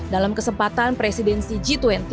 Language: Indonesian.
dalam kesempatan presidensi g dua puluh